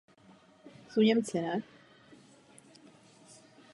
Více objektů je uvedeno na stránce Seznam pražských památek.